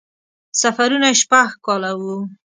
سفرونه یې شپږ کاله وو.